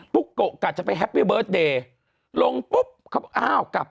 ปุ๊กโกะกลับจะไปแฮปปี้เบิร์สเดย์ลงปุ๊บอ้าวกลับ